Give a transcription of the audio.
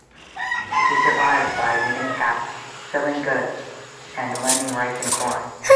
He survived by knitting caps, selling goods and lending rice and corn.